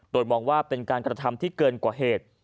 โดยมองว่าเป็นการกระทำที่เกินกว่าเหตุ